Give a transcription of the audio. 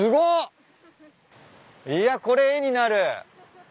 いやこれ絵になる。